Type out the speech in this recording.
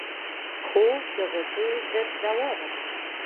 خوب د غصې ضد دوا ده